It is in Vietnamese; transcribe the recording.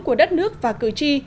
của đất nước và cử tri